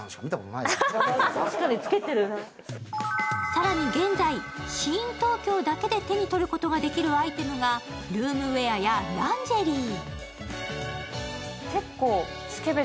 更に現在、ＳＨＩＩＮＴＯＫＹＯだけで手に取ることができるアイテムがルームウェアやランジェリー。